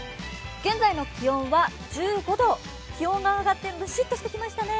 現在の気温は１５度、気温が上がってむしっとしてきましたね。